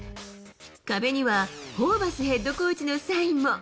壁にはホーバスヘッドコーチのサインも。